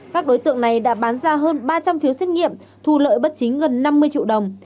các đối tượng này đã bán ra hơn ba trăm linh phiếu xét nghiệm thu lợi bất chính gần năm mươi triệu đồng